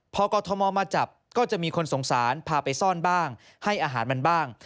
พอกรทมมาจับก็จะมีคนสงสารพาไปซ่อนบ้างให้อาหารมันบ้าง